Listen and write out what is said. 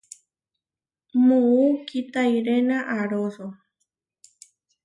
Muú kitáʼirena aaróso.